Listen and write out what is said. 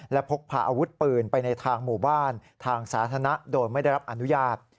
และพกพาอาวุธปืนไปในทางหมู่บ้านทางสาธารณะโดยไม่ได้รับอนุญาต